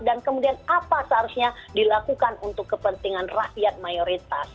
dan kemudian apa seharusnya dilakukan untuk kepentingan rakyat mayoritas